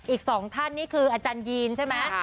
อีก๒ท่านนี่คืออาจารยีนใช่ไหม